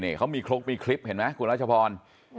นี่เขามีครกมีคลิปเห็นไหมคุณรัชพร